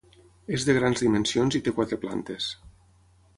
És de grans dimensions i té quatre plantes.